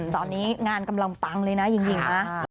ตอนนี้งานกำลังปังเลยนะจริงนะ